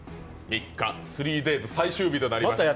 スリーデイズ最終日となりました。